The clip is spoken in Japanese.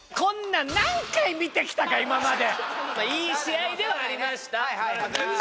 今までいい試合ではありました